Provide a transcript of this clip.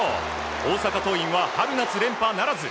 大阪桐蔭は春夏連覇ならず。